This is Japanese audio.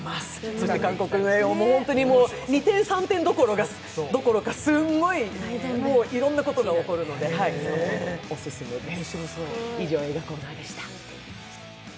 そして韓国映画、本当に二転三転どころかすんごいいろんなことが起こるのでオススメです。